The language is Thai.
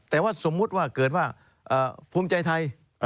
แต่ว่าสมมุติว่าเกิดว่าภูมิใจไทย